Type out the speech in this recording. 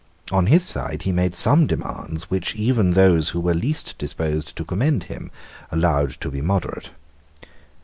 On his side he made some demands which even those who were least disposed to commend him allowed to be moderate.